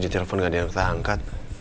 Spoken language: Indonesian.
ditelepon gak diangkat angkat